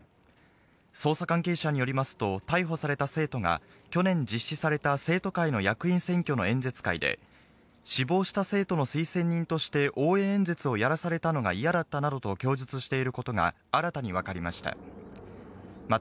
捜査関係者によりますと、逮捕された生徒が去年実施された生徒会の役員選挙の演説会で、死亡した生徒の推薦人として応援演説をやらされたのが嫌だったなどと供述していることが、新たに分かりました。